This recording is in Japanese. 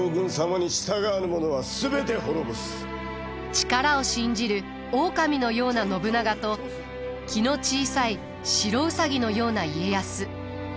力を信じる狼のような信長と気の小さい白兎のような家康。